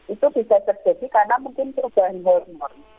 itu bisa terjadi karena mungkin perubahan hormon